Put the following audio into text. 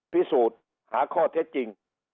พิสูจน์หาข้อเท็จจริง